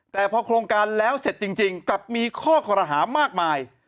แต่พอโครงการแล้วเสร็จจริงกลับมีข้อคอรหามากมาย